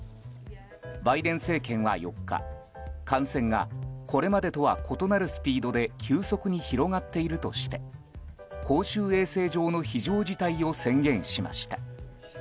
バイデン政権は４日感染がこれまでとは異なるスピードで急速に広がっているとして公衆衛生上の非常事態を宣言しました。